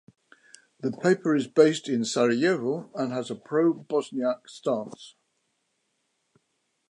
The paper is based in Sarajevo and has a pro-Bosniak stance.